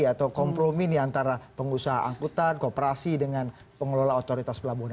atau kompromi nih antara pengusaha angkutan kooperasi dengan pengelola otoritas pelabuhan